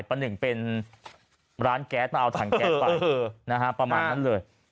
ประหนึ่งเป็นร้านแก๊สมาเอาถังแก๊สไปประมาณนั้นเลย